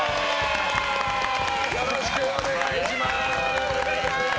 よろしくお願いします！